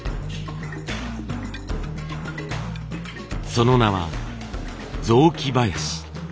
その名は雑木囃子。